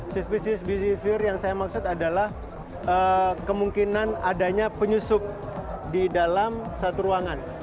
suspesies behavior yang saya maksud adalah kemungkinan adanya penyusup di dalam satu ruangan